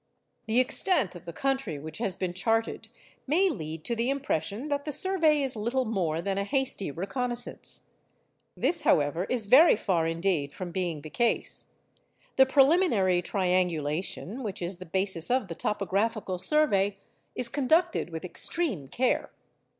The extent of the country which has been charted may lead to the impression that the survey is little more than a hasty reconnaissance. This, however, is very far indeed from being the case. The preliminary triangulation, which is the basis of the topographical survey, is conducted with extreme care.